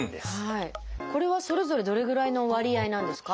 これはそれぞれどれぐらいの割合なんですか？